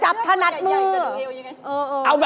ใช่นะไอ่จะดูเอวยังไง